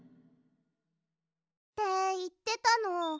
っていってたの。